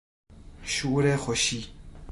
شور خوشی